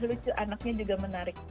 lucu anaknya juga menarik